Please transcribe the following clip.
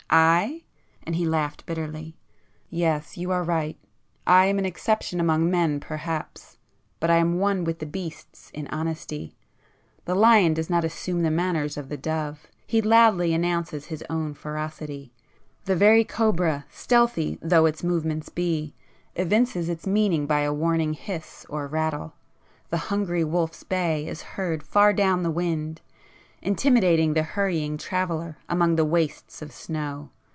I?"—and he laughed bitterly—"Yes, you are right; I am an exception among men perhaps,—but I am one with the beasts in honesty! The lion does not assume the manners of the dove,—he loudly announces his own ferocity. The very cobra, stealthy though its movements be, evinces its meaning by a warning hiss or rattle. The hungry wolf's bay is heard far down the wind, intimidating the hurrying traveller among the wastes of snow.